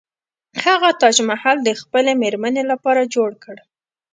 هغه تاج محل د خپلې میرمنې لپاره جوړ کړ.